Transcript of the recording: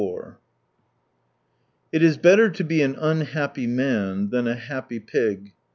54 " It is better to be an unhappy man, than a happy pig."